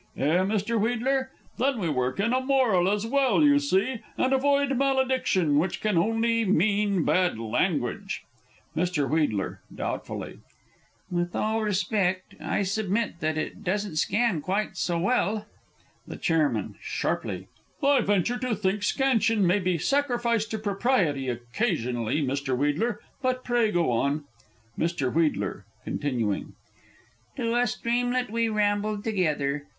Eh, Mr. Wheedler? Then we work in a moral as well, you see, and avoid malediction, which can only mean bad language. Mr. W. (doubtfully). With all respect, I submit that it doesn't scan quite so well The Chairman (sharply). I venture to think scansion may be sacrificed to propriety, occasionally, Mr. Wheedler but pray go on. Mr. W. (continuing). "To a streamlet we rambled together.